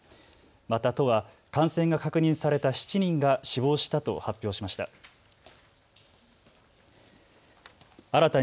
また都は感染が確認された７人が死亡したと発表しました。